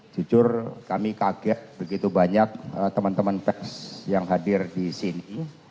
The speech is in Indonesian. jujur kami kaget begitu banyak teman teman pers yang hadir di sini